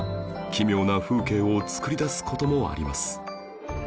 奇妙な風景を作り出す事もあります